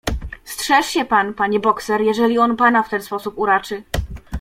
"Strzeż się pan, panie bokser, jeżeli on pana w ten sposób uraczy."